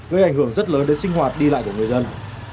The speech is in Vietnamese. gây ảnh hưởng rất lớn đến sinh hoạt đi lại của người dân